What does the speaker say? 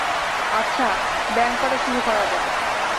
আচ্ছা, ব্যাঙ কাটা শুরু করা যাক।